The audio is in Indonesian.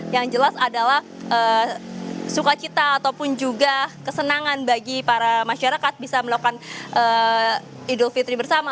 yang jelas adalah sukacita ataupun juga kesenangan bagi para masyarakat bisa melakukan idul fitri bersama